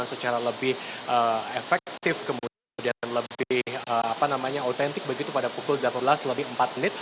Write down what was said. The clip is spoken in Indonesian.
dan secara lebih efektif kemudian lebih autentik begitu pada pukul delapan belas lebih empat menit